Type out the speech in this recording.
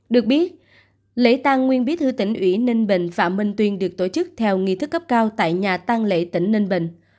được biết lễ tang nguyên bí thư tỉnh ủy ninh bình phạm minh tuyên được tổ chức theo nghi thức cấp cao tại nhà tăng lễ tỉnh ninh bình